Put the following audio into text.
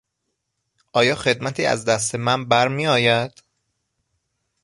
آیا خدمتی از دست من برمیآید؟